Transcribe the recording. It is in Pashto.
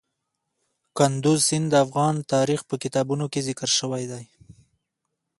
کندز سیند د افغان تاریخ په کتابونو کې ذکر شوی دی.